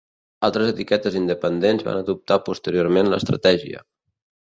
Altres etiquetes independents van adoptar posteriorment l'estratègia.